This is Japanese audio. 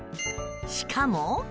しかも